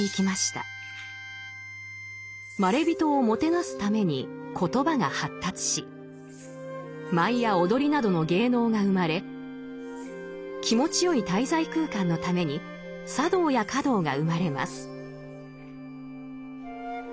まれびとをもてなすために言葉が発達し舞や踊りなどの芸能が生まれ気持ちよい滞在空間のために茶道や華道が生まれます。